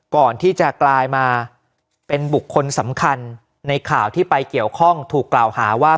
ก่อนที่จะกลายมาเป็นบุคคลสำคัญในข่าวที่ไปเกี่ยวข้องถูกกล่าวหาว่า